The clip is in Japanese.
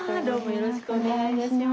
よろしくお願いします。